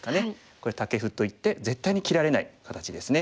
これタケフといって絶対に切られない形ですね。